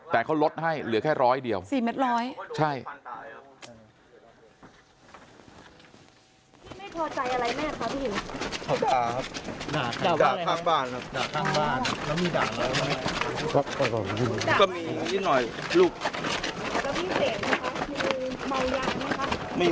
แต่เขาลดให้เหลือแค่ร้อยเดียว๔เม็ดร้อยใช่